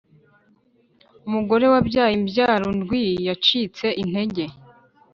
Umugore wabyaye imbyaro ndwi yacitse intege